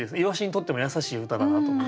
鰯にとっても優しい歌だなと。